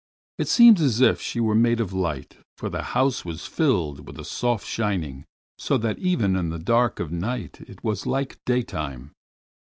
It seemed as if she were made of light, for the house was filled with a soft shining, so that even in the dark of night it was like daytime.